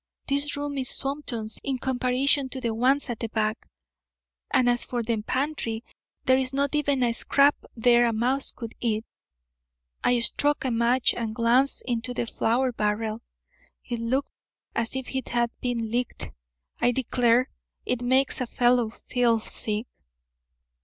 This room is sumptuous in comparison to the ones at the back; and as for the pantry, there is not even a scrap there a mouse could eat. I struck a match and glanced into the flour barrel. It looked as if it had been licked. I declare, it makes a fellow feel sick."